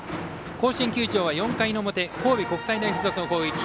甲子園球場は４回の表神戸国際大付属の攻撃。